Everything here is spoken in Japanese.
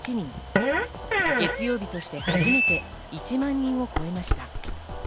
月曜日として始めて１万人を超えました。